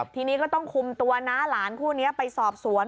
ทีนี้ก็ต้องคุมตัวน้าหลานคู่นี้ไปสอบสวน